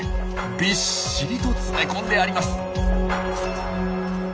びっしりと詰め込んであります。